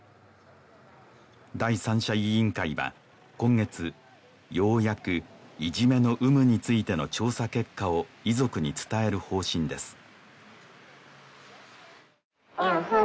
第三者委員会は今月ようやくいじめの有無についての調査結果を遺族に伝える方針です